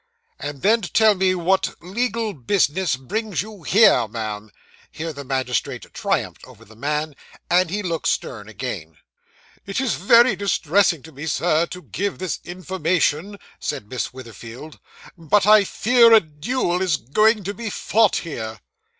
'And then tell me what legal business brings you here, ma'am.' Here the magistrate triumphed over the man; and he looked stern again. 'It is very distressing to me, Sir, to give this information,' said Miss Witherfield, 'but I fear a duel is going to be fought here.